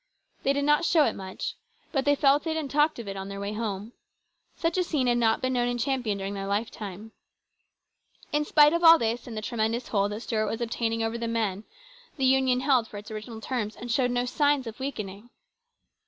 They did not show it much, but they felt it and talked of it on their way home. Such a scene had not been known in Champion during their lifetime. In spite of all this, and the tremendous hold that Stuart was obtaining over the men, the Union held DISAPPOINTMENT. 235 for its original terms, and showed no signs of weakening.